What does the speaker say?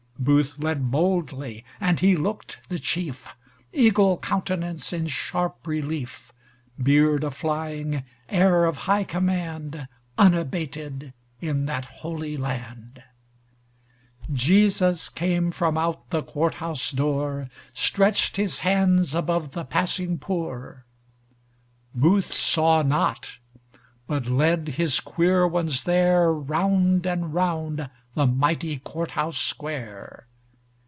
Booth led boldly, and he looked the chief, Eagle countenance in sharp relief, Beard a flying, air of high commandUnabated in that holy land.(Sweet flute music)Jesus came from out the court house door, Stretched his hands above the passing poor. Booth saw not, but led his queer ones thereRound and round the mighty court house square.